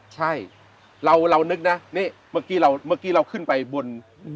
ใช่เรานึกนะนี่เมื่อกี้เราขึ้นไปบน